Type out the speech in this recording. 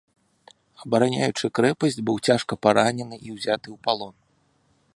Абараняючы крэпасць, быў цяжка паранены і ўзяты ў палон.